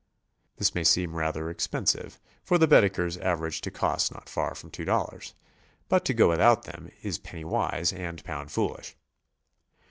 This may seem rather expensive, for the Baedekers aver age to cost not far from two dollars, but to go without them is penny wise and pound foolish.